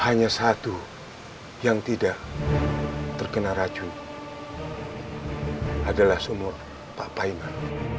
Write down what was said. hanya satu yang tidak terkena racun adalah sumur papainan